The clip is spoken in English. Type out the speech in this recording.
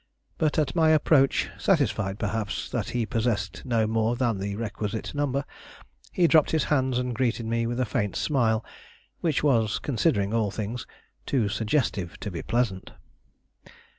But, at my approach, satisfied perhaps that he possessed no more than the requisite number, he dropped his hands and greeted me with a faint smile which was, considering all things, too suggestive to be pleasant.